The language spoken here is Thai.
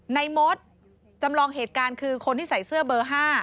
มดจำลองเหตุการณ์คือคนที่ใส่เสื้อเบอร์๕